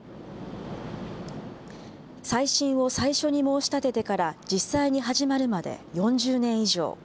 再審を最初に申し立ててから実際に始まるまで４０年以上。